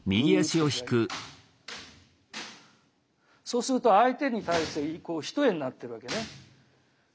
そうすると相手に対して偏えになってるわけね。